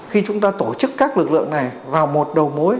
khi chúng ta tổ chức các lực lượng này vào một đầu mối